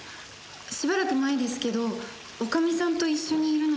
しばらく前ですけど女将さんと一緒にいるのを。